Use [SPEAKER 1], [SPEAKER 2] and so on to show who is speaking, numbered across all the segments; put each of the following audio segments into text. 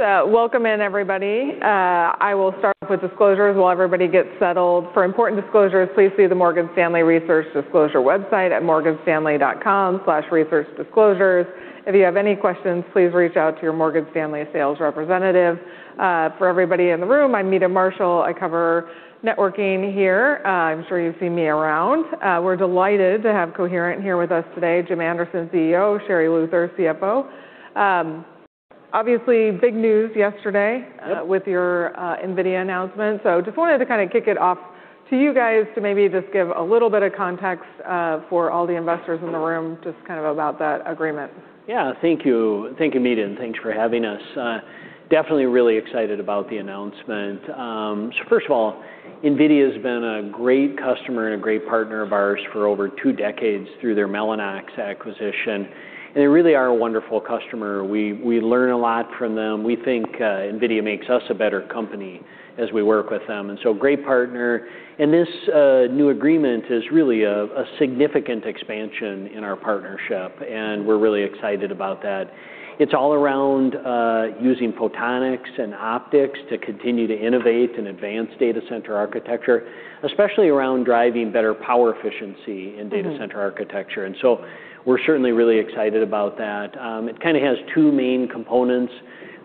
[SPEAKER 1] Welcome in everybody. I will start with disclosures while everybody gets settled. For important disclosures, please see the Morgan Stanley Research Disclosure website at morganstanley.com/researchdisclosures. If you have any questions, please reach out to your Morgan Stanley sales representative. For everybody in the room, I'm Meta Marshall. I cover networking here. I'm sure you've seen me around. We're delighted to have Coherent here with us today. Jim Anderson, CEO, Sherri Luther, CFO. Obviously big news yesterday-
[SPEAKER 2] Yep.
[SPEAKER 1] With your NVIDIA announcement. Just wanted to kind of kick it off to you guys to maybe just give a little bit of context for all the investors in the room, just kind of about that agreement.
[SPEAKER 2] Yeah. Thank you. Thank you, Meta, and thanks for having us. Definitely really excited about the announcement. First of all, NVIDIAs been a great customer and a great partner of ours for over two decades through their Mellanox acquisition, and they really are a wonderful customer. We learn a lot from them. We think, NVIDIA makes us a better company as we work with them, and so a great partner. This new agreement is really a significant expansion in our partnership, and we're really excited about that. It's all around, using photonics and optics to continue to innovate and advance data center architecture, especially around driving better power efficiency.
[SPEAKER 1] Mm-hmm.
[SPEAKER 2] Data center architecture, we're certainly really excited about that. It kind of has two main components.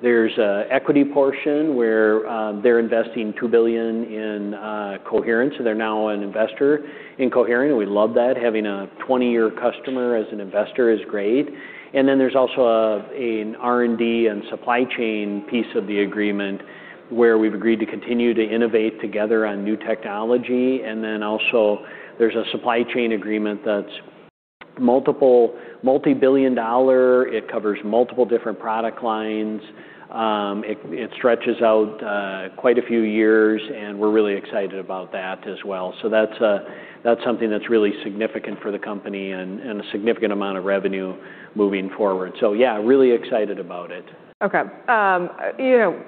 [SPEAKER 2] There's a equity portion, where, they're investing $2 billion in Coherent, they're now an investor in Coherent, we love that. Having a 20-year customer as an investor is great. There's also a R&D and supply chain piece of the agreement where we've agreed to continue to innovate together on new technology, there's also a supply chain agreement that's multi-billion dollar. It covers multiple different product lines. It stretches out quite a few years, we're really excited about that as well. That's something that's really significant for the company and a significant amount of revenue moving forward. Yeah, really excited about it.
[SPEAKER 1] Okay. You know,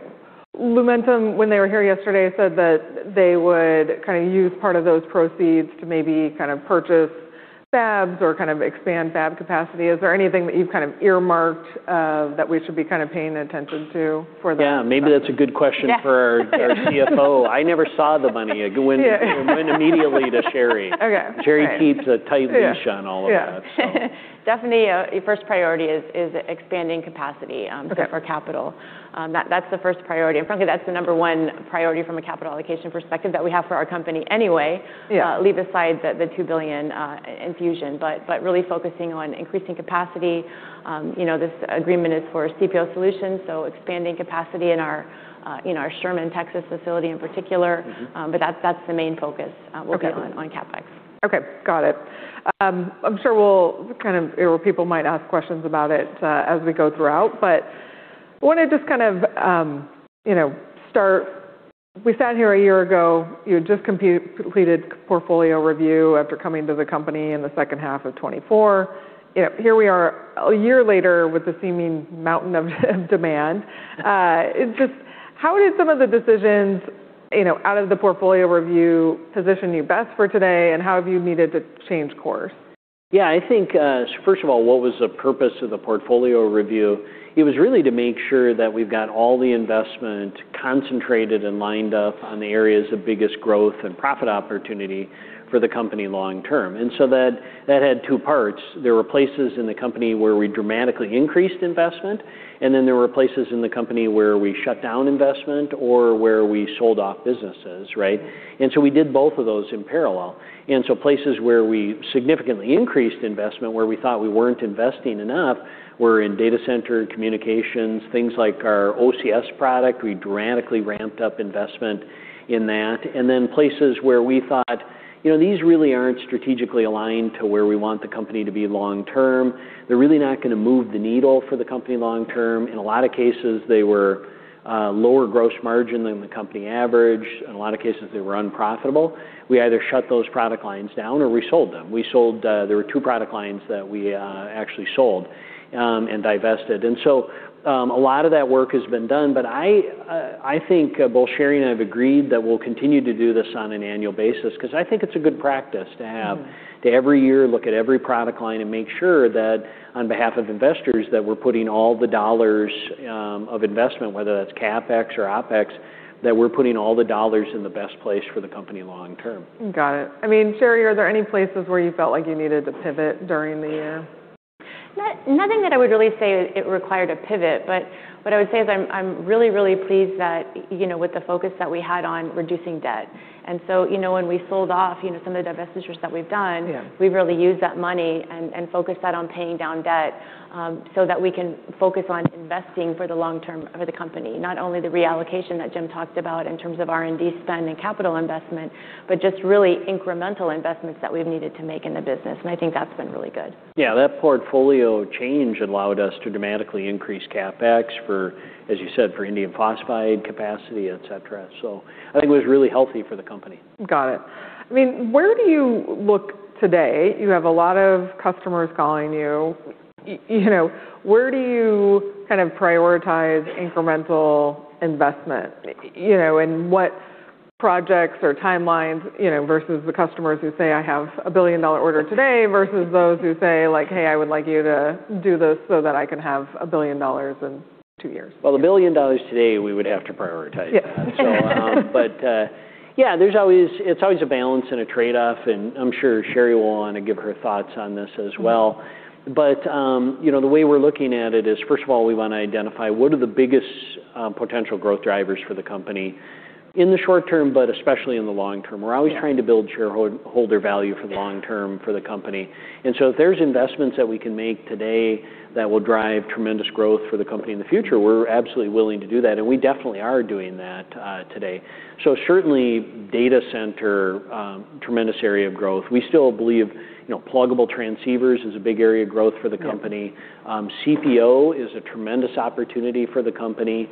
[SPEAKER 1] Lumentum, when they were here yesterday, said that they would kind of use part of those proceeds to maybe kind of purchase fabs or kind of expand fab capacity. Is there anything that you've kind of earmarked that we should be kind of paying attention to?
[SPEAKER 2] Yeah. Maybe that's a good question for our CFO. I never saw the money. It went.
[SPEAKER 1] Yeah.
[SPEAKER 2] It went immediately to Sherri.
[SPEAKER 1] Okay.
[SPEAKER 2] Sherri keeps a tight leash on all of that stuff.
[SPEAKER 1] Yeah.
[SPEAKER 3] Definitely, first priority is expanding capacity.
[SPEAKER 1] Okay
[SPEAKER 3] For capital. that's the first priority. frankly, that's the number one priority from a capital allocation perspective that we have for our company anyway.
[SPEAKER 1] Yeah
[SPEAKER 3] Leave aside the $2 billion infusion. Really focusing on increasing capacity. You know, this agreement is for CPO solutions, so expanding capacity in our Sherman, Texas facility in particular.
[SPEAKER 2] Mm-hmm.
[SPEAKER 3] That's the main focus.
[SPEAKER 1] Okay
[SPEAKER 3] We'll be on CapEx.
[SPEAKER 1] Okay. Got it. I'm sure we'll kind of, or people might ask questions about it, as we go throughout. Wanted to just kind of, you know, start. We sat here a year ago. You had just completed portfolio review after coming to the company in the second half of 2024. You know, here we are a year later with a seeming mountain of demand. And just how did some of the decisions, you know, out of the portfolio review position you best for today, and how have you needed to change course?
[SPEAKER 2] Yeah. I think, what was the purpose of the portfolio review? It was really to make sure that we've got all the investment concentrated and lined up on the areas of biggest growth and profit opportunity for the company long term. That had two parts. There were places in the company where we dramatically increased investment, there were places in the company where we shut down investment or where we sold off businesses, right? We did both of those in parallel. Places where we significantly increased investment, where we thought we weren't investing enough, were in data center communications, things like our OCS product. We dramatically ramped up investment in that. Places where we thought, "You know, these really aren't strategically aligned to where we want the company to be long term. They're really not gonna move the needle for the company long term. In a lot of cases, they were lower gross margin than the company average. In a lot of cases, they were unprofitable. We either shut those product lines down or we sold them. We sold there were two product lines that we actually sold and divested. A lot of that work has been done, but I think both Sherri and I have agreed that we'll continue to do this on an annual basis, 'cause I think it's a good practice to have.
[SPEAKER 1] Mm-hmm
[SPEAKER 2] To every year look at every product line and make sure that on behalf of investors, that we're putting all the dollars of investment, whether that's CapEx or OpEx, that we're putting all the dollars in the best place for the company long term.
[SPEAKER 1] Got it. I mean, Sherri, are there any places where you felt like you needed to pivot during the year?
[SPEAKER 3] Nothing that I would really say it required a pivot, but what I would say is I'm really, really pleased that, you know, with the focus that we had on reducing debt. you know, when we sold off, you know, some of the divestitures that we've done.
[SPEAKER 1] Yeah
[SPEAKER 3] We've really used that money and focused that on paying down debt, so that we can focus on investing for the long term of the company, not only the reallocation that Jim talked about in terms of R&D spend and capital investment, but just really incremental investments that we've needed to make in the business. I think that's been really good.
[SPEAKER 2] Yeah. That portfolio change allowed us to dramatically increase CapEx for, as you said, for indium phosphide capacity, etc. I think it was really healthy for the company.
[SPEAKER 1] Got it. I mean, where do you look today? You have a lot of customers calling you. You know, where do you kind of prioritize incremental investment? You know, what Projects or timelines, you know, versus the customers who say, "I have a billion-dollar order today," versus those who say like, "Hey, I would like you to do this so that I can have $1 billion in 2 years.
[SPEAKER 2] The billion dollars today, we would have to prioritize that.
[SPEAKER 1] Yeah.
[SPEAKER 2] Yeah, It's always a balance and a trade-off, and I'm sure Sherri will wanna give her thoughts on this as well.
[SPEAKER 1] Mm.
[SPEAKER 2] You know, the way we're looking at it is, first of all, we wanna identify what are the biggest, potential growth drivers for the company in the short term, but especially in the long term.
[SPEAKER 1] Yeah.
[SPEAKER 2] We're always trying to build shareholder value for the long term.
[SPEAKER 1] Yeah
[SPEAKER 2] For the company, if there's investments that we can make today that will drive tremendous growth for the company in the future, we're absolutely willing to do that, and we definitely are doing that today. Certainly, data center, tremendous area of growth. We still believe, you know, pluggable transceivers is a big area of growth for the company.
[SPEAKER 1] Yeah.
[SPEAKER 2] CPO is a tremendous opportunity for the company.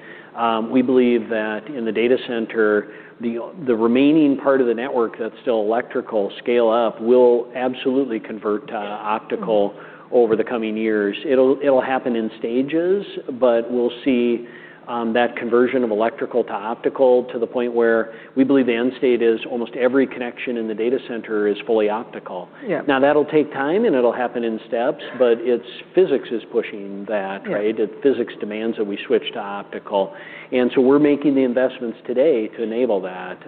[SPEAKER 2] We believe that in the data center, the remaining part of the network that's still electrical scale up will absolutely convert to optical over the coming years. It'll happen in stages, but we'll see that conversion of electrical to optical to the point where we believe the end state is almost every connection in the data center is fully optical.
[SPEAKER 1] Yeah.
[SPEAKER 2] Now, that'll take time, and it'll happen in steps, but it's physics is pushing that, right?
[SPEAKER 1] Yeah.
[SPEAKER 2] The physics demands that we switch to optical, and so we're making the investments today to enable that.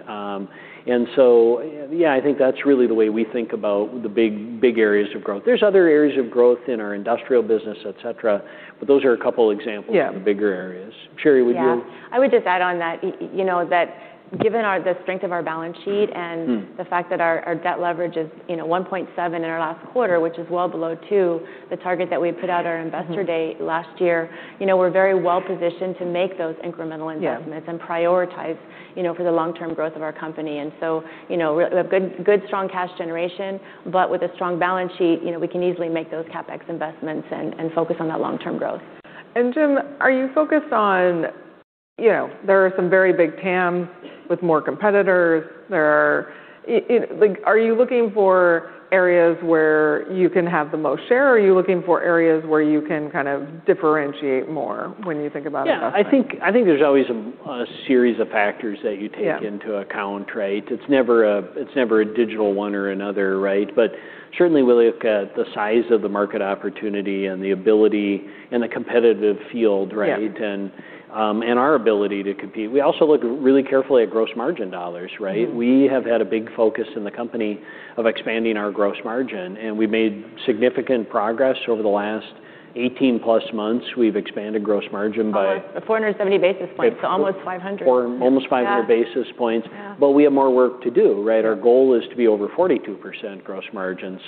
[SPEAKER 2] Yeah, I think that's really the way we think about the big, big areas of growth. There's other areas of growth in our industrial business, etc., but those are a couple examples.
[SPEAKER 1] Yeah
[SPEAKER 2] Of the bigger areas. Sherri, would you-
[SPEAKER 3] Yeah. I would just add on that, you know, that given the strength of our balance sheet and the fact that our debt leverage is, you know, 1.7 in our last quarter, which is well below two, the target that we put out at our investor day last year, you know, we're very well-positioned to make those incremental investments.
[SPEAKER 1] Yeah
[SPEAKER 3] And prioritize, you know, for the long-term growth of our company. You know, good, strong cash generation, but with a strong balance sheet, you know, we can easily make those CapEx investments and focus on that long-term growth.
[SPEAKER 1] Jim, are you focused on, you know, there are some very big TAM with more competitors. There are you know, like, are you looking for areas where you can have the most share, or are you looking for areas where you can kind of differentiate more when you think about investment?
[SPEAKER 2] Yeah. I think there's always a series of factors that you take into account, right? It's never a digital one or another, right? Certainly we look at the size of the market opportunity and the ability and the competitive field, right?
[SPEAKER 1] Yeah.
[SPEAKER 2] Our ability to compete. We also look really carefully at gross margin dollars, right?
[SPEAKER 1] Mm.
[SPEAKER 2] We have had a big focus in the company of expanding our gross margin, and we made significant progress over the last 18+ months. We've expanded gross margin by-
[SPEAKER 3] Almost 470 basis points. Almost 500.
[SPEAKER 2] Almost 500 basis points.
[SPEAKER 3] Yeah.
[SPEAKER 2] We have more work to do, right?
[SPEAKER 3] Yeah.
[SPEAKER 2] Our goal is to be over 42% gross margin.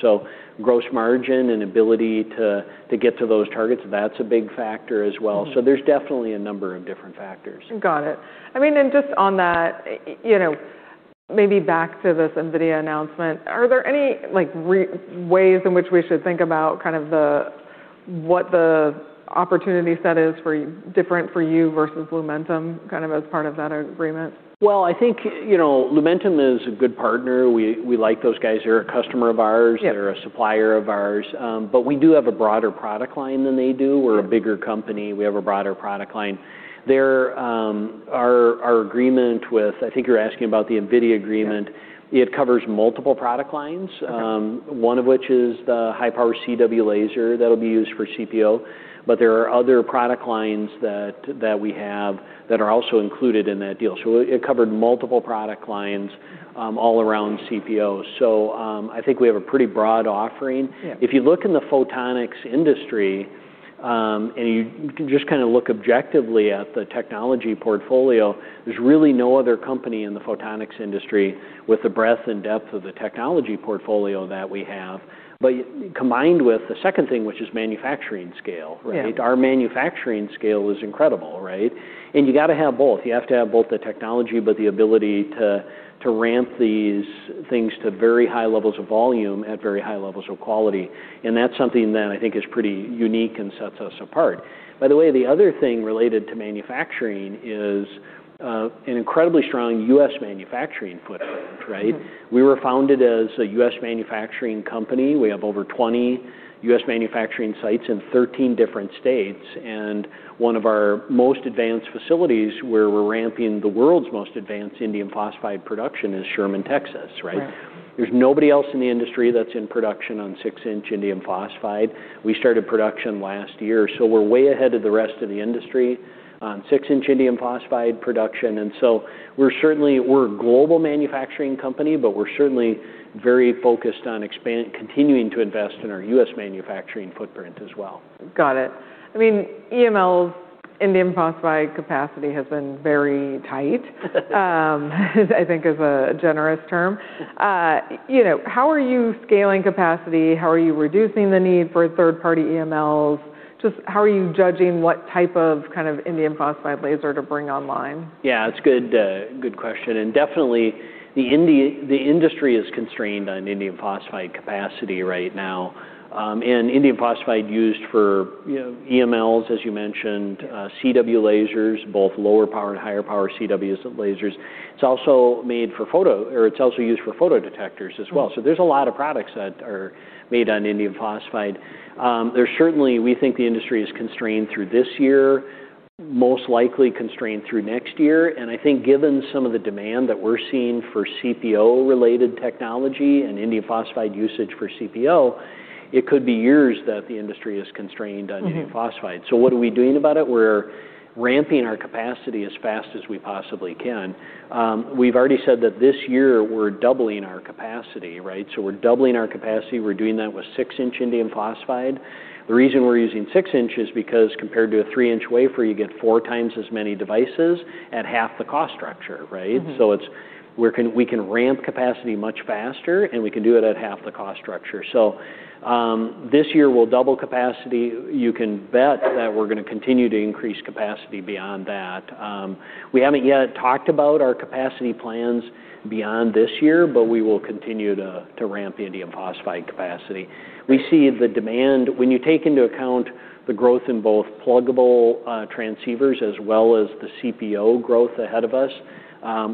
[SPEAKER 2] Gross margin and ability to get to those targets, that's a big factor as well.
[SPEAKER 1] Mm-hmm.
[SPEAKER 2] There's definitely a number of different factors.
[SPEAKER 1] Got it. I mean, just on that, you know, maybe back to this NVIDIA announcement, are there any, like, ways in which we should think about kind of the, what the opportunity set is for different for you versus Lumentum, kind of as part of that agreement?
[SPEAKER 2] Well, I think, you know, Lumentum is a good partner. We like those guys. They're a customer of ours.
[SPEAKER 1] Yeah.
[SPEAKER 2] They're a supplier of ours. We do have a broader product line than they do.
[SPEAKER 1] Yeah.
[SPEAKER 2] We're a bigger company. We have a broader product line. Our agreement with, I think you're asking about the NVIDIA agreement.
[SPEAKER 1] Yeah.
[SPEAKER 2] It covers multiple product lines.
[SPEAKER 1] Okay.
[SPEAKER 2] One of which is the high-power CW laser that'll be used for CPO. There are other product lines that we have that are also included in that deal. It covered multiple product lines, all around CPO. I think we have a pretty broad offering.
[SPEAKER 1] Yeah.
[SPEAKER 2] If you look in the photonics industry, and you can just kinda look objectively at the technology portfolio, there's really no other company in the photonics industry with the breadth and depth of the technology portfolio that we have. Combined with the second thing, which is manufacturing scale, right?
[SPEAKER 1] Yeah.
[SPEAKER 2] Our manufacturing scale is incredible, right? You gotta have both. You have to have both the technology, but the ability to ramp these things to very high levels of volume at very high levels of quality, and that's something that I think is pretty unique and sets us apart. By the way, the other thing related to manufacturing is an incredibly strong U.S. manufacturing footprint, right?
[SPEAKER 1] Mm.
[SPEAKER 2] We were founded as a U.S. manufacturing company. We have over 20 U.S. manufacturing sites in 13 different states. One of our most advanced facilities where we're ramping the world's most advanced indium phosphide production is Sherman, Texas, right?
[SPEAKER 1] Right.
[SPEAKER 2] There's nobody else in the industry that's in production on 6-inch indium phosphide. We started production last year, so we're way ahead of the rest of the industry on 6-inch indium phosphide production, we're a global manufacturing company, but we're certainly very focused on continuing to invest in our U.S. manufacturing footprint as well.
[SPEAKER 1] Got it. EML's indium phosphide capacity has been very tight. I think is a generous term. You know, how are you scaling capacity? How are you reducing the need for third-party EMLs? Just how are you judging what type of kind of indium phosphide laser to bring online?
[SPEAKER 2] Yeah. It's good question, definitely the industry is constrained on indium phosphide capacity right now. Indium phosphide used for, you know, EMLs, as you mentioned, CW lasers, both lower power and higher power CW lasers. It's also used for photodetectors as well. There's a lot of products that are made on indium phosphide. There's certainly we think the industry is constrained through this year, most likely constrained through next year. I think given some of the demand that we're seeing for CPO related technology and indium phosphide usage for CPO, it could be years that the industry is constrained on indium phosphide.
[SPEAKER 1] Mm-hmm.
[SPEAKER 2] What are we doing about it? We're ramping our capacity as fast as we possibly can. We've already said that this year we're doubling our capacity, right? We're doubling our capacity. We're doing that with 6-inch indium phosphide. The reason we're using 6-inch is because compared to a 3-inch wafer, you get four times as many devices at half the cost structure, right?
[SPEAKER 1] Mm-hmm.
[SPEAKER 2] We can ramp capacity much faster, and we can do it at half the cost structure. This year we'll double capacity. You can bet that we're gonna continue to increase capacity beyond that. We haven't yet talked about our capacity plans beyond this year. We will continue to ramp the indium phosphide capacity. We see the demand. When you take into account the growth in both pluggable transceivers as well as the CPO growth ahead of us,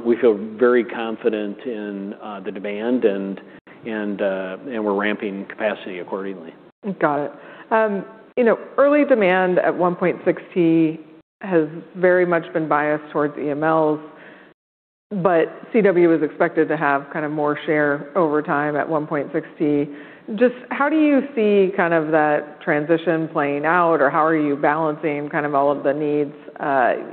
[SPEAKER 2] we feel very confident in the demand and we're ramping capacity accordingly.
[SPEAKER 1] Got it. you know, early demand at 1.6T has very much been biased towards EMLs, but CW is expected to have kind of more share over time at 1.6T. Just how do you see kind of that transition playing out, or how are you balancing kind of all of the needs,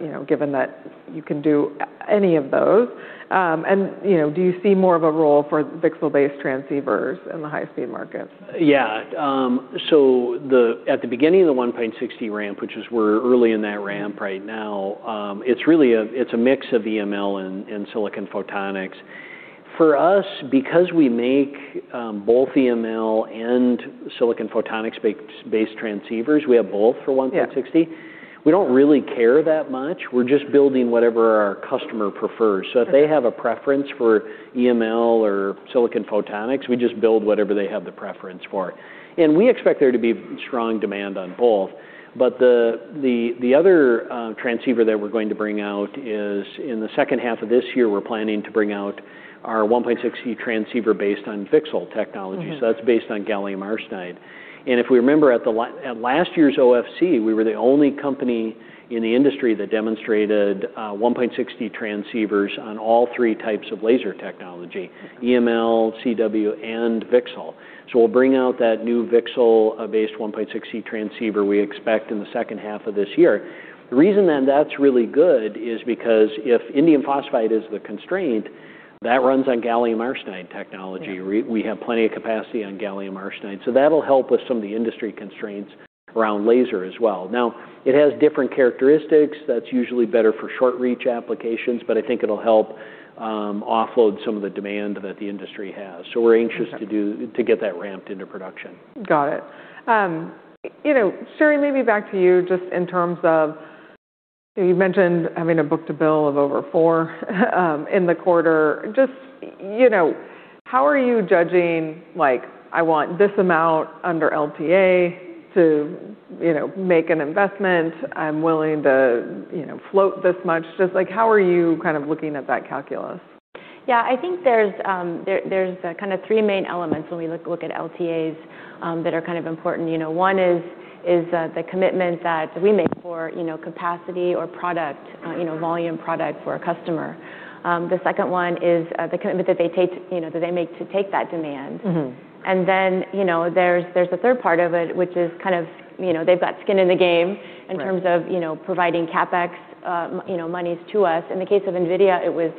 [SPEAKER 1] you know, given that you can do any of those? Do you see more of a role for VCSEL-based transceivers in the high-speed markets?
[SPEAKER 2] At the beginning of the 1.6T ramp, which is we're early in that ramp right now, it's really a mix of EML and silicon photonics. For us, because we make both EML and silicon photonics-based transceivers, we have both for 1.6T.
[SPEAKER 1] Yeah
[SPEAKER 2] We don't really care that much. We're just building whatever our customer prefers.
[SPEAKER 1] Okay.
[SPEAKER 2] If they have a preference for EML or silicon photonics, we just build whatever they have the preference for. We expect there to be strong demand on both. The other transceiver that we're going to bring out is in the second half of this year, we're planning to bring out our 1.6T transceiver based on VCSEL technology.
[SPEAKER 1] Mm-hmm.
[SPEAKER 2] That's based on Gallium arsenide. If we remember at last year's OFC, we were the only company in the industry that demonstrated 1.6T transceivers on all three types of laser technology: EML, CW, and VCSEL. We'll bring out that new VCSEL based 1.6T transceiver we expect in the second half of this year. The reason that that's really good is because if Indium phosphide is the constraint, that runs on Gallium arsenide technology.
[SPEAKER 1] Yeah.
[SPEAKER 2] We have plenty of capacity on gallium arsenide. That'll help with some of the industry constraints around laser as well. It has different characteristics that's usually better for short reach applications, but I think it'll help offload some of the demand that the industry has.
[SPEAKER 1] Okay.
[SPEAKER 2] We're anxious to get that ramped into production.
[SPEAKER 1] Got it. You know, Sherry, maybe back to you just in terms of, you mentioned having a book-to-bill of over four, in the quarter. Just, you know, how are you judging, like, I want this amount under LTA to, you know, make an investment. I'm willing to, you know, float this much. Just like how are you kind of looking at that calculus?
[SPEAKER 3] I think there's kind of three main elements when we look at LTAs that are kind of important. You know, one is the commitment that we make for, you know, capacity or product, you know, volume product for a customer. The second one is the commitment that they take, you know, that they make to take that demand.
[SPEAKER 1] Mm-hmm.
[SPEAKER 3] You know, there's the third part of it, which is kind of, you know, they've got skin in the game.
[SPEAKER 1] Right
[SPEAKER 3] In terms of, you know, providing CapEx, you know, monies to us. In the case of NVIDIA, it was,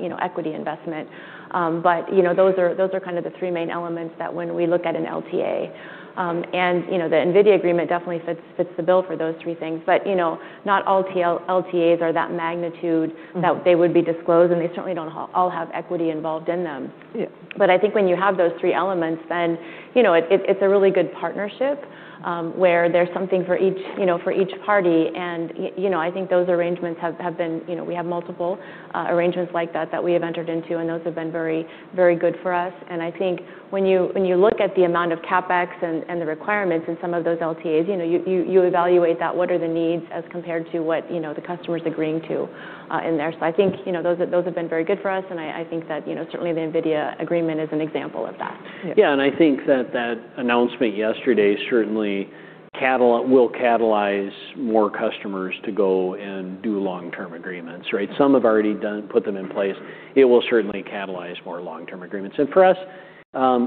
[SPEAKER 3] you know, equity investment. You know, those are kind of the three main elements that when we look at an LTA. You know, the NVIDIA agreement definitely fits the bill for those three things. You know, not all LTAs are that magnitude that they would be disclosed, and they certainly don't all have equity involved in them.
[SPEAKER 1] Yeah.
[SPEAKER 3] I think when you have those three elements, then, you know, it's a really good partnership, where there's something for each, you know, for each party. You know, I think those arrangements have been, you know, we have multiple arrangements like that we have entered into, and those have been very good for us. I think when you look at the amount of CapEx and the requirements in some of those LTAs, you know, you evaluate that what are the needs as compared to what, you know, the customer's agreeing to in there. I think, you know, those have been very good for us, and I think that, you know, certainly the NVIDIA agreement is an example of that.
[SPEAKER 2] Yeah. I think that that announcement yesterday certainly will catalyze more customers to go and do long-term agreements, right? Some have already done, put them in place. It will certainly catalyze more long-term agreements. For us,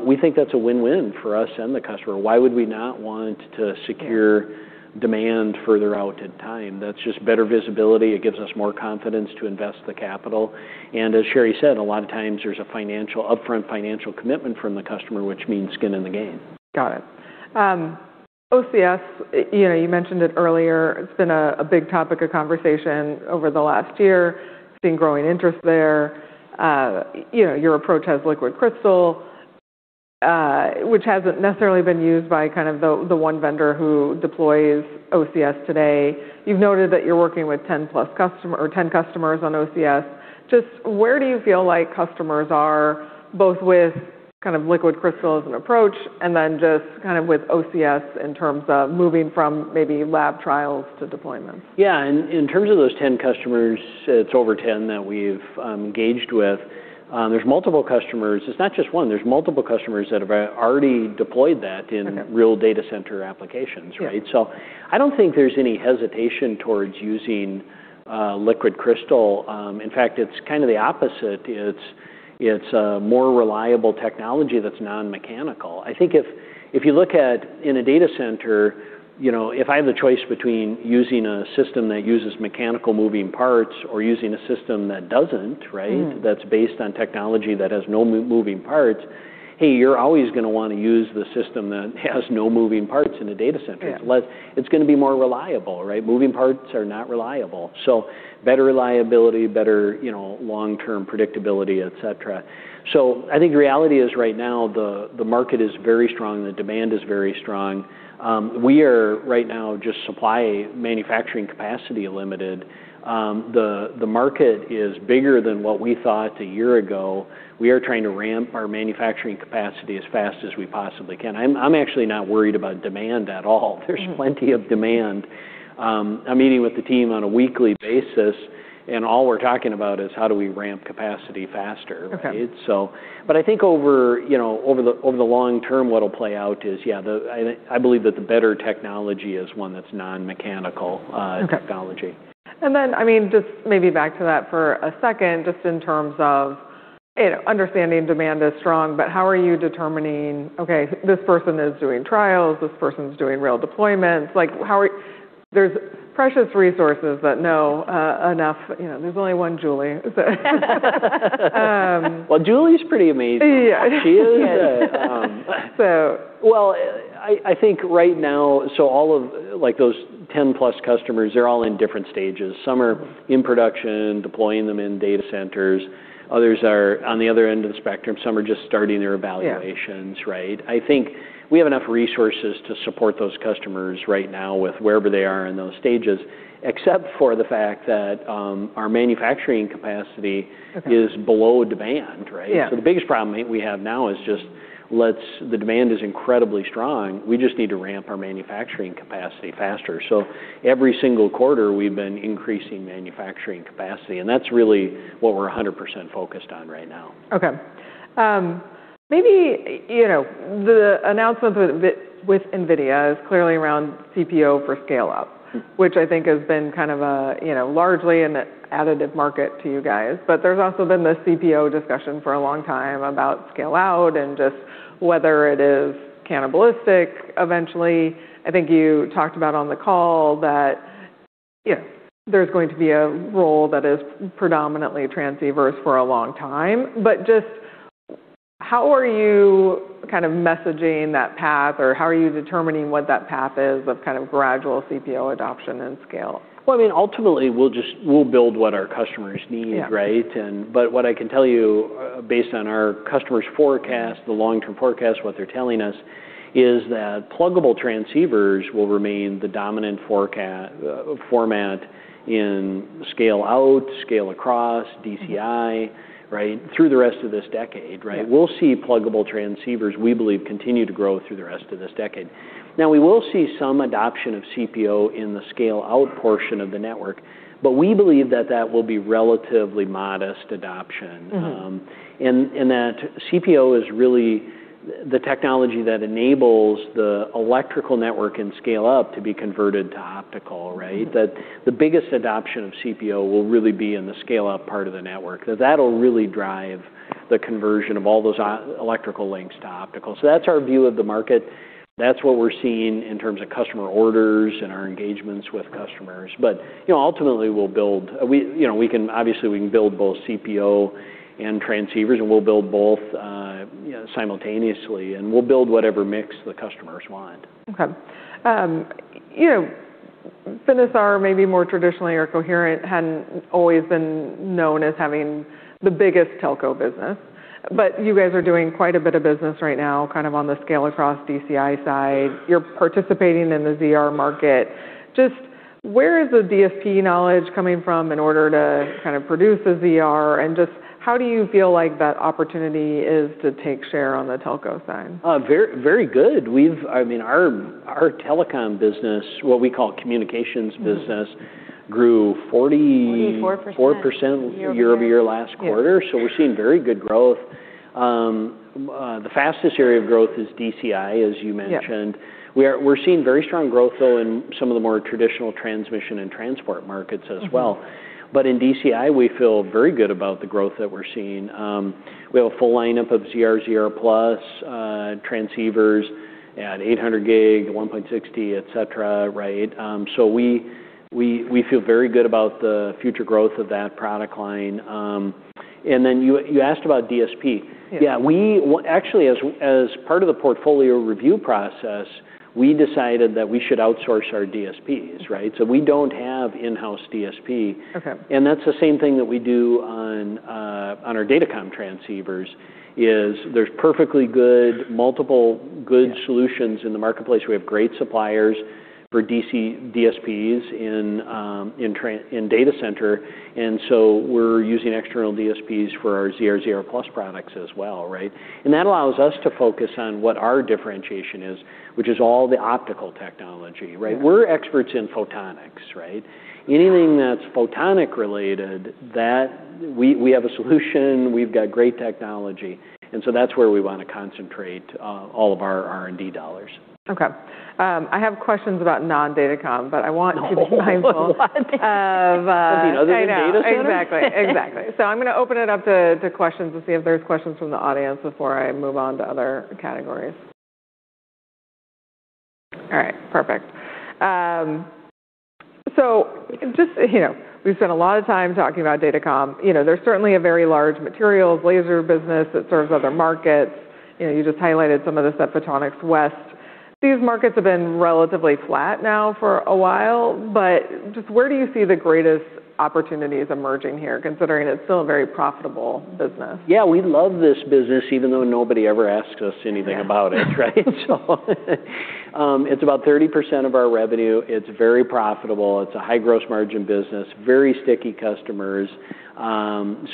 [SPEAKER 2] we think that's a win-win for us and the customer. Why would we not want to secure demand further out in time? That's just better visibility. It gives us more confidence to invest the capital. As Sherry said, a lot of times there's a upfront financial commitment from the customer, which means skin in the game.
[SPEAKER 1] Got it. OCS, you know, you mentioned it earlier, it's been a big topic of conversation over the last year, seeing growing interest there. You know, your approach has liquid crystal, which hasn't necessarily been used by kind of the one vendor who deploys OCS today. You've noted that you're working with 10 customers on OCS. Just where do you feel like customers are both with kind of liquid crystal as an approach and then just kind of with OCS in terms of moving from maybe lab trials to deployment?
[SPEAKER 2] Yeah. In terms of those 10 customers, it's over 10 that we've engaged with. There's multiple customers. It's not just one. There's multiple customers that have already deployed that in real data center applications, right?
[SPEAKER 1] Yeah.
[SPEAKER 2] I don't think there's any hesitation towards using, liquid crystal. In fact, it's kind of the opposite. It's a more reliable technology that's non-mechanical. I think if you look at in a data center, you know, if I have the choice between using a system that uses mechanical moving parts or using a system that doesn't right? That's based on technology that has no moving parts, hey, you're always gonna wanna use the system that has no moving parts in a data center.
[SPEAKER 1] Yeah.
[SPEAKER 2] It's gonna be more reliable, right? Moving parts are not reliable. Better reliability, better, you know, long-term predictability, et cetera. I think the reality is right now the market is very strong. The demand is very strong. We are right now just supply manufacturing capacity limited. The market is bigger than what we thought one year ago. We are trying to ramp our manufacturing capacity as fast as we possibly can. I'm actually not worried about demand at all.
[SPEAKER 1] Mm-hmm.
[SPEAKER 2] There's plenty of demand. I'm meeting with the team on a weekly basis, and all we're talking about is how do we ramp capacity faster, right?
[SPEAKER 1] Okay.
[SPEAKER 2] I think over, you know, over the long term, what'll play out is, yeah, I believe that the better technology is one that's non-mechanical technology.
[SPEAKER 1] Okay. I mean, just maybe back to that for a second, just in terms of, you know, understanding demand is strong, but how are you determining, okay, this person is doing trials, this person's doing real deployments? Like, how are. There's precious resources that know enough. You know, there's only one Julie, so.
[SPEAKER 2] Well, Julie's pretty amazing.
[SPEAKER 1] Yeah.
[SPEAKER 2] She is.
[SPEAKER 1] So.
[SPEAKER 2] I think right now, so all of, like, those 10+ customers, they're all in different stages. Some are in production, deploying them in data centers. Others are on the other end of the spectrum. Some are just starting their evaluations.
[SPEAKER 1] Yeah
[SPEAKER 2] Right? I think we have enough resources to support those customers right now with wherever they are in those stages, except for the fact that.
[SPEAKER 1] Okay
[SPEAKER 2] Is below demand, right?
[SPEAKER 1] Yeah.
[SPEAKER 2] The biggest problem we have now is just the demand is incredibly strong. We just need to ramp our manufacturing capacity faster. Every single quarter, we've been increasing manufacturing capacity, and that's really what we're 100% focused on right now.
[SPEAKER 1] Okay. maybe, you know, the announcement with NVIDIA is clearly around CPO for scale-up.
[SPEAKER 2] Mm-hmm
[SPEAKER 1] Which I think has been kind of a, you know, largely an additive market to you guys. There's also been the CPO discussion for a long time about scale-out and just whether it is cannibalistic eventually. I think you talked about on the call that, you know, there's going to be a role that is predominantly transceivers for a long time. Just how are you kind of messaging that path, or how are you determining what that path is of kind of gradual CPO adoption and scale?
[SPEAKER 2] Well, I mean, ultimately, we'll just, we'll build what our customers need.
[SPEAKER 1] Yeah
[SPEAKER 2] Right? What I can tell you, based on our customers' forecast, the long-term forecast, what they're telling us is that pluggable transceivers will remain the dominant format in scale-out, scale-across, DCI.
[SPEAKER 1] Mm-hmm
[SPEAKER 2] Right, through the rest of this decade, right?
[SPEAKER 1] Yeah.
[SPEAKER 2] We'll see pluggable transceivers, we believe, continue to grow through the rest of this decade. We will see some adoption of CPO in the scale-out portion of the network, we believe that will be relatively modest adoption.
[SPEAKER 1] Mm-hmm.
[SPEAKER 2] That CPO is really the technology that enables the electrical network in scale-up to be converted to optical, right?
[SPEAKER 1] Mm-hmm.
[SPEAKER 2] That the biggest adoption of CPO will really be in the scale-up part of the network. That'll really drive the conversion of all those e-electrical links to optical. That's our view of the market. That's what we're seeing in terms of customer orders and our engagements with customers. You know, ultimately, you know, we can obviously build both CPO and transceivers, and we'll build both, you know, simultaneously, and we'll build whatever mix the customers want.
[SPEAKER 1] Okay. You know, Finisar, maybe more traditionally, or Coherent, hadn't always been known as having the biggest telco business, but you guys are doing quite a bit of business right now, kind of on the scale-across DCI side. You're participating in the ZR market. Just where is the DSP knowledge coming from in order to kind of produce a ZR, and just how do you feel like that opportunity is to take share on the telco side?
[SPEAKER 2] Very good. I mean, our telecom business, what we call communications business-
[SPEAKER 1] Mm-hmm 44% year-over-year
[SPEAKER 2] 44% year-over-year last quarter.
[SPEAKER 1] Yeah.
[SPEAKER 2] We're seeing very good growth. The fastest area of growth is DCI, as you mentioned.
[SPEAKER 1] Yeah.
[SPEAKER 2] We're seeing very strong growth, though, in some of the more traditional transmission and transport markets as well.
[SPEAKER 1] Mm-hmm.
[SPEAKER 2] In DCI, we feel very good about the growth that we're seeing. We have a full lineup of ZR/ZR+, transceivers at 800G, 1.6T, et cetera, right? We feel very good about the future growth of that product line. Then you asked about DSP.
[SPEAKER 1] Yes.
[SPEAKER 2] Yeah, we actually, as part of the portfolio review process, we decided that we should outsource our DSPs, right? We don't have in-house DSP.
[SPEAKER 1] Okay.
[SPEAKER 2] That's the same thing that we do on our datacom transceivers, is there's perfectly good.
[SPEAKER 1] Yeah
[SPEAKER 2] Solutions in the marketplace. We have great suppliers for DSPs in data center, we're using external DSPs for our ZR/ZR+ products as well, right? That allows us to focus on what our differentiation is, which is all the optical technology, right?
[SPEAKER 1] Yeah.
[SPEAKER 2] We're experts in photonics, right? Anything that's photonic related, that we have a solution. We've got great technology. That's where we want to concentrate, all of our R&D dollars.
[SPEAKER 1] Okay. I have questions about non-datacom, but I want to be mindful-
[SPEAKER 2] Oh what?
[SPEAKER 1] of,
[SPEAKER 2] Of the other non-datas, Shannon?
[SPEAKER 1] I know. Exactly. Exactly. I'm gonna open it up to questions to see if there's questions from the audience before I move on to other categories. All right. Perfect. Just, you know, we've spent a lot of time talking about datacom. You know, there's certainly a very large materials laser business that serves other markets. You know, you just highlighted some of this at Photonics West. These markets have been relatively flat now for a while, but just where do you see the greatest opportunities emerging here, considering it's still a very profitable business?
[SPEAKER 2] Yeah. We love this business, even though nobody ever asks us anything about it, right? It's about 30% of our revenue. It's very profitable. It's a high gross margin business, very sticky customers.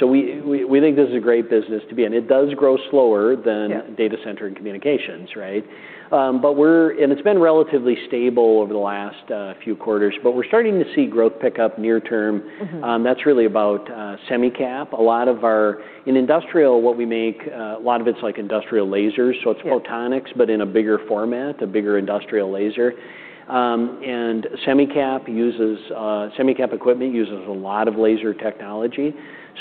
[SPEAKER 2] We think this is a great business to be in. It does grow slower than data center and communications, right? It's been relatively stable over the last few quarters, but we're starting to see growth pick up near term.
[SPEAKER 1] Mm-hmm.
[SPEAKER 2] That's really about semi-cap. In industrial, what we make, a lot of it's like industrial lasers.
[SPEAKER 1] Yeah
[SPEAKER 2] So it's photonics, but in a bigger format, a bigger industrial laser. semi-cap uses semi-cap equipment uses a lot of laser technology.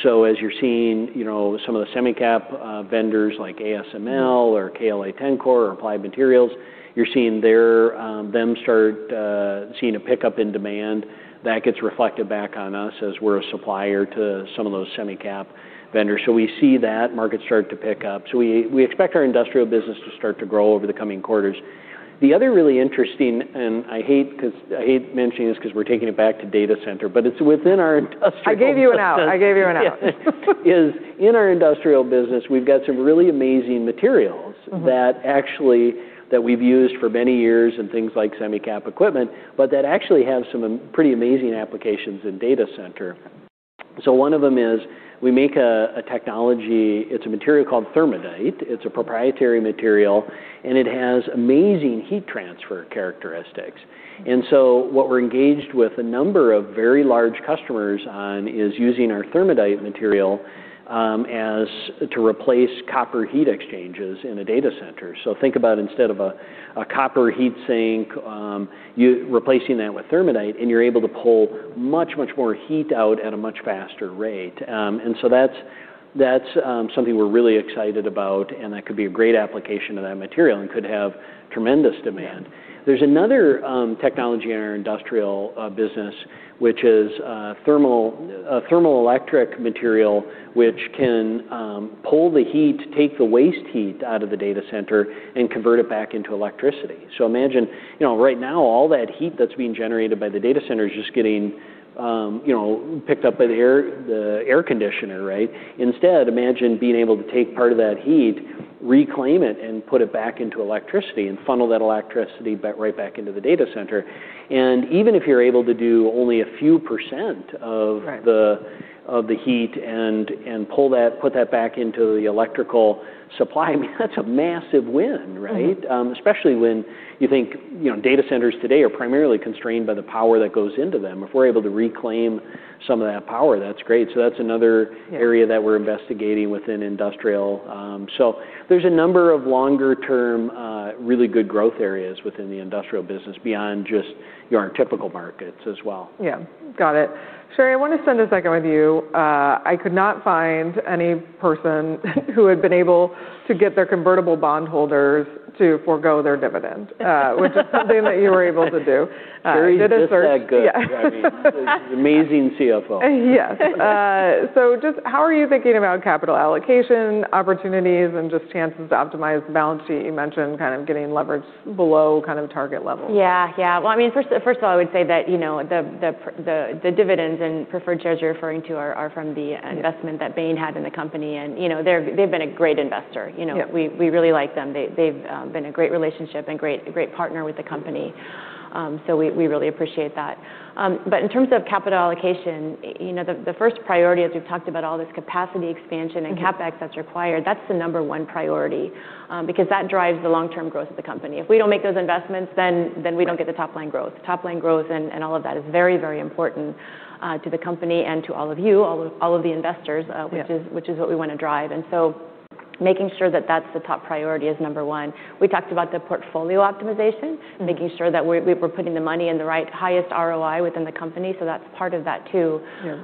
[SPEAKER 2] As you're seeing, you know, some of the semi-cap vendors like ASML or KLA-Tencor or Applied Materials, you're seeing their them start seeing a pickup in demand. That gets reflected back on us as we're a supplier to some of those semi-cap vendors. We see that market start to pick up, so we expect our industrial business to start to grow over the coming quarters. The other really interesting, I hate mentioning this 'cause we're taking it back to data center, but it's within our industrial business
[SPEAKER 1] I gave you an out. I gave you an out.
[SPEAKER 2] Yes. Is in our industrial business, we've got some really amazing materials that actually, that we've used for many years in things like semi-cap equipment, but that actually have some pretty amazing applications in data center. One of them is we make a technology, it's a material called Thermadite. It's a proprietary material, and it has amazing heat transfer characteristics.
[SPEAKER 1] Mm.
[SPEAKER 2] What we're engaged with a number of very large customers on is using our Thermadite material, as to replace copper heat exchanges in a data center. Think about instead of a copper heat sink, you replacing that with Thermadite, and you're able to pull much, much more heat out at a much faster rate. That's something we're really excited about, and that could be a great application of that material and could have tremendous demand.
[SPEAKER 1] Yeah.
[SPEAKER 2] There's another technology in our industrial business, which is thermal, a thermoelectric material which can pull the heat, take the waste heat out of the data center and convert it back into electricity. Imagine, you know, right now all that heat that's being generated by the data center is just getting, you know, picked up by the air, the air conditioner, right? Instead, imagine being able to take part of that heat, reclaim it, and put it back into electricity and funnel that electricity back, right back into the data center. Even if you're able to do only a few percent of the heat and pull that, put that back into the electrical supply, I mean, that's a massive win, right?
[SPEAKER 1] Mm-hmm.
[SPEAKER 2] Especially when you think, you know, data centers today are primarily constrained by the power that goes into them. If we're able to reclaim some of that power, that's great. That's another area that we're investigating within industrial. There's a number of longer term, really good growth areas within the industrial business beyond just our typical markets as well.
[SPEAKER 1] Yeah. Got it. Sherri, I wanna spend a second with you. I could not find any person who had been able to get their convertible bondholders to forgo their dividend. Which is something that you were able to do.
[SPEAKER 2] Sherri's just that good.
[SPEAKER 1] Did a search. Yeah.
[SPEAKER 2] I mean, she's an amazing CFO.
[SPEAKER 1] Yes. Just how are you thinking about capital allocation opportunities and just chances to optimize the balance sheet? You mentioned kind of getting leverage below kind of target levels.
[SPEAKER 3] Yeah. Yeah. Well, I mean, first of all, I would say that, you know, the dividends and preferred shares you're referring to are from the investment that Bain had in the company and, you know, they've been a great investor, you know?
[SPEAKER 1] Yeah.
[SPEAKER 3] We really like them. They've been a great relationship and great partner with the company. We really appreciate that. In terms of capital allocation, you know, the first priority, as we've talked about all this capacity expansion and CapEx that's required, that's the number one priority, because that drives the long-term growth of the company. If we don't make those investments, then we don't get the top line growth. Top line growth and all of that is very, very important, to the company and to all of you, all of the investors which is what we wanna drive. Making sure that that's the top priority is number one. We talked about the portfolio optimization, making sure that we're putting the money in the right highest ROI within the company, so that's part of that, too.
[SPEAKER 1] Yeah.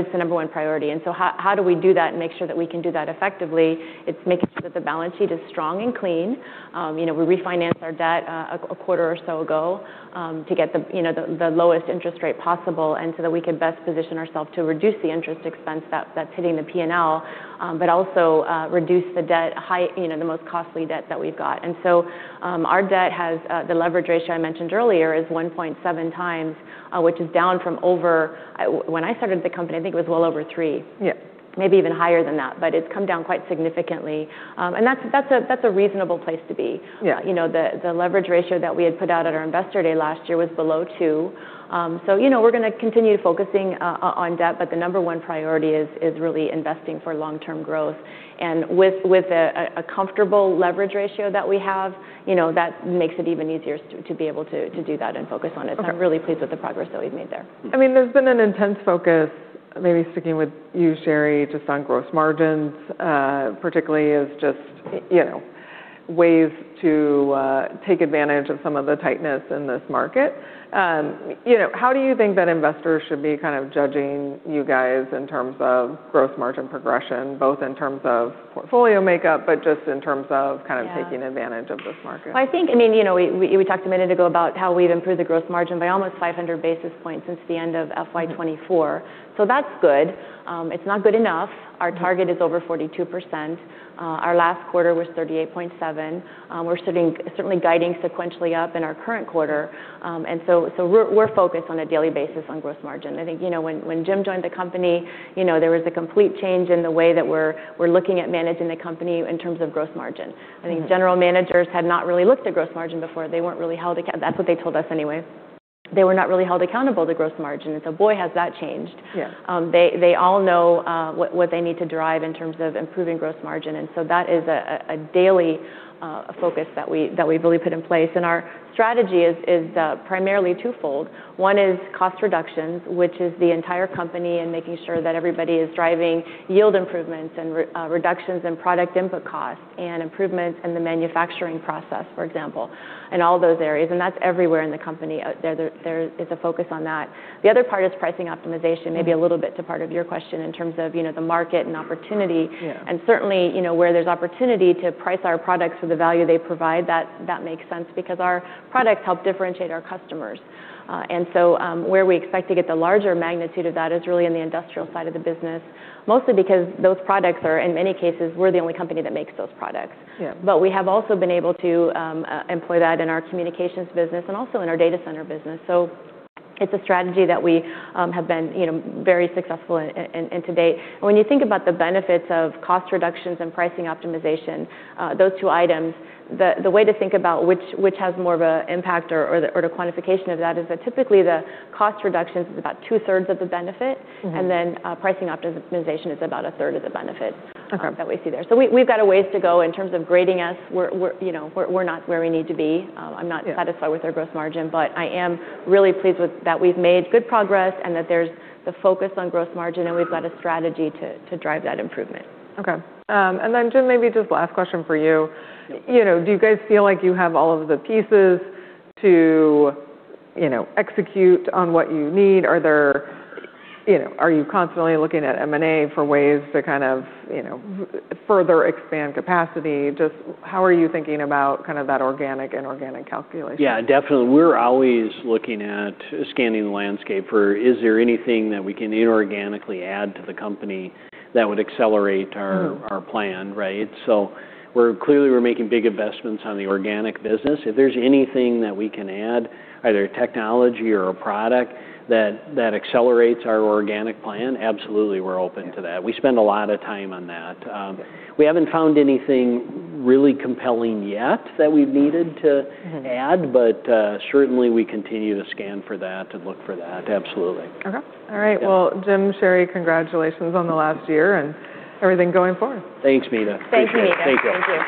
[SPEAKER 3] It's the number one priority. How do we do that and make sure that we can do that effectively? It's making sure that the balance sheet is strong and clean. You know, we refinanced our debt a quarter or so ago, to get the, you know, the lowest interest rate possible and so that we could best position ourself to reduce the interest expense that's hitting the P&L, but also reduce the debt, you know, the most costly debt that we've got. Our debt has the leverage ratio I mentioned earlier is 1.7x, which is down from over. When I started at the company, I think it was well over three.
[SPEAKER 1] Yeah.
[SPEAKER 3] Maybe even higher than that, it's come down quite significantly. That's a reasonable place to be.
[SPEAKER 1] Yeah.
[SPEAKER 3] You know, the leverage ratio that we had put out at our investor day last year was below two. You know, we're gonna continue focusing on debt, but the number one priority is really investing for long-term growth. With a comfortable leverage ratio that we have, you know, that makes it even easier to be able to do that and focus on it.
[SPEAKER 1] Okay.
[SPEAKER 3] I'm really pleased with the progress that we've made there.
[SPEAKER 1] I mean, there's been an intense focus, maybe sticking with you, Sherri, just on gross margins, particularly as just, you know, ways to take advantage of some of the tightness in this market. You know, how do you think that investors should be kind of judging you guys in terms of gross margin progression, both in terms of portfolio makeup, but just in terms of.
[SPEAKER 3] Yeah
[SPEAKER 1] Kind of taking advantage of this market?
[SPEAKER 3] Well, I think, I mean, you know, we talked a minute ago about how we've improved the gross margin by almost 500 basis points since the end of FY '24. That's good. It's not good enough.
[SPEAKER 1] Mm.
[SPEAKER 3] Our target is over 42%. Our last quarter was 38.7%. We're certainly guiding sequentially up in our current quarter. We're focused on a daily basis on gross margin. I think, you know, when Jim joined the company, you know, there was a complete change in the way that we're looking at managing the company in terms of gross margin.
[SPEAKER 1] Mm-hmm.
[SPEAKER 3] I think general managers had not really looked at gross margin before. That's what they told us anyway. They were not really held accountable to gross margin. Boy, has that changed.
[SPEAKER 1] Yeah.
[SPEAKER 3] They all know what they need to drive in terms of improving gross margin. That is a daily focus that we've really put in place. Our strategy is primarily twofold. One is cost reductions, which is the entire company and making sure that everybody is driving yield improvements and reductions in product input costs and improvements in the manufacturing process, for example, and all those areas, and that's everywhere in the company. There is a focus on that. The other part is pricing optimization, maybe a little bit to part of your question in terms of, you know, the market and opportunity.
[SPEAKER 1] Yeah.
[SPEAKER 3] Certainly, you know, where there's opportunity to price our products for the value they provide, that makes sense because our products help differentiate our customers. Where we expect to get the larger magnitude of that is really in the industrial side of the business, mostly because those products are, in many cases, we're the only company that makes those products.
[SPEAKER 1] Yeah.
[SPEAKER 3] We have also been able to employ that in our communications business and also in our data center business. It's a strategy that we have been, you know, very successful in today. When you think about the benefits of cost reductions and pricing optimization, those two items, the way to think about which has more of an impact or the quantification of that is that typically the cost reductions is about two-thirds of the benefit.
[SPEAKER 1] Mm-hmm.
[SPEAKER 3] Pricing optimization is about a third of the benefit...
[SPEAKER 1] Okay
[SPEAKER 3] That we see there. We've got a ways to go in terms of grading us. We're, you know, we're not where we need to be satisfied with our gross margin, but I am really pleased with that we've made good progress and that there's the focus on gross margin, and we've got a strategy to drive that improvement.
[SPEAKER 1] Okay. Jim, maybe just last question for you. You know, do you guys feel like you have all of the pieces to, you know, execute on what you need? Are there, you know, are you constantly looking at M&A for ways to kind of, you know, further expand capacity? Just how are you thinking about kind of that organic, inorganic calculation?
[SPEAKER 2] Definitely. We're always looking at scanning the landscape for is there anything that we can inorganically add to the company that would accelerate our plan, right? We're clearly we're making big investments on the organic business. If there's anything that we can add, either technology or a product that accelerates our organic plan, absolutely, we're open to that. We spend a lot of time on that. We haven't found anything really compelling yet that we've needed to add.
[SPEAKER 1] Mm-hmm
[SPEAKER 2] Certainly we continue to scan for that and look for that. Absolutely.
[SPEAKER 1] Okay. All right.
[SPEAKER 2] Yeah.
[SPEAKER 1] Well, Jim, Sherri, congratulations on the last year and everything going forward.
[SPEAKER 2] Thanks, Meta. Appreciate it.
[SPEAKER 3] Thanks, Meta.
[SPEAKER 2] Thank you.